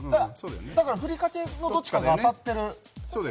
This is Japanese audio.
ふりかけのどっちかが当たってる。